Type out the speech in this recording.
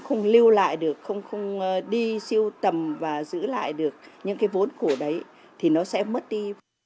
không lưu lại được không đi siêu tầm và giữ lại được những cái vốn cổ đấy thì nó sẽ mất đi